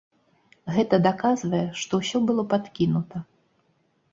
Гэта даказвае, што ўсё было падкінута.